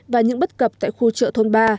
và những bất cập tại khu chợ thôn ba